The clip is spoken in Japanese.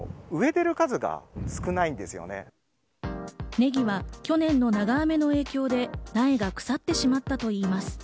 ネギは去年の長雨の影響で、苗が腐ってしまったといいます。